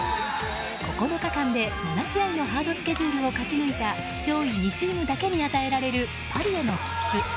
９日間で７試合のハードスケジュールを勝ち抜いた上位２チームだけに与えられるパリへの切符。